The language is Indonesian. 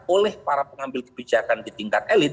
oleh para pengambil kebijakan di tingkat elit